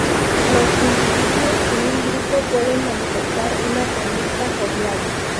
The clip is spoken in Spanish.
Los individuos en un grupo pueden manifestar una conducta jovial.